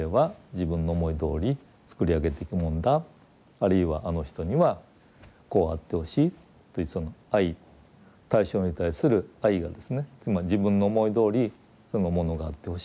あるいはあの人にはこうあってほしいというその愛対象に対する愛がですねつまり自分の思いどおりそのものがあってほしいという気持ちが